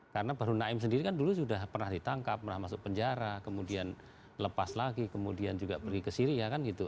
karena baru naim sendiri kan dulu sudah pernah ditangkap pernah masuk penjara kemudian lepas lagi kemudian juga pergi ke syria kan gitu